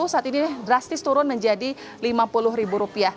saat ini drastis turun menjadi rp lima puluh